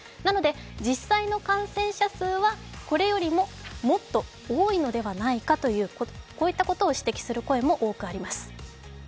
実際の感染者数はこれよりももっと多いのではないかと、こういったことを指摘する声も多くあります。